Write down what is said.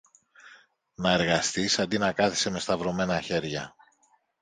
Να εργαστείς αντί να κάθεσαι με σταυρωμένα χέρια!